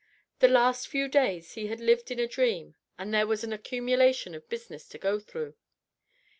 The last few days he had lived in a dream and there was an accumulation of business to go through.